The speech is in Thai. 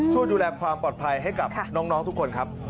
ช่วยดูแลความปลอดภัยให้กับน้องทุกคนครับ